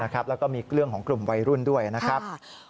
แล้วก็มีเรื่องของกลุ่มวัยรุ่นด้วยนะครับ